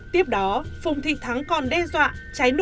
tiếp đó phùng thị thắng còn đe dọa trái nổ lên quầy giao dịch